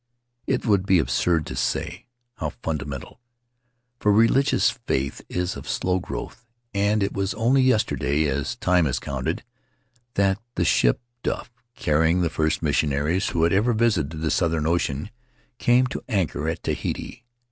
It would be absurd to say, "how fundamental,' for religious faith is of slow growth and it was only yesterday, as time is counted, that the ship Duff, carrying the first missionaries who had ever visited this southern ocean, came to anchor at Tahiti.